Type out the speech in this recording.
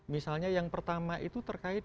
misalnya yang pertama itu terkait